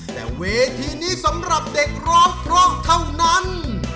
แต่เวทีนี้สำหรับเด็กร้องเพราะเท่านั้น